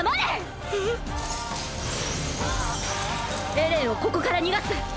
エレンをここから逃がす！！